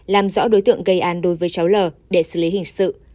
làm rõ đối tượng gây án đối với cháu l để xử lý hình sự